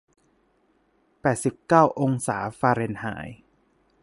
แปดสิบเก้าองศาฟาเรนไฮน์